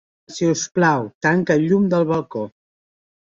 Si us plau, tanca el llum del balcó.